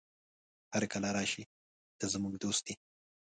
هرکله راشې، ته زموږ دوست يې.